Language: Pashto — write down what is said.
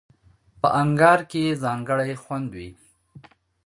په انگار کې یې ځانګړی خوند وي.